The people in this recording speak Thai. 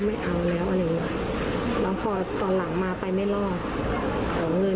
เขาก็สงสารพ่อไม่อยากให้พ่อเจ็บอีก